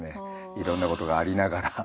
いろんなことがありながら。